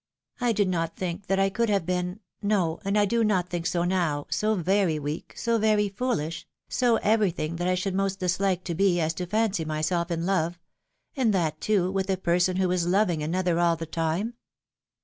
I did not think that I could have been — no, and I do not think so now — so very weak, so very foolish, so everything that I should most dishke to be, as to fancy myself in love, and that, too, with a person who was loving another all the time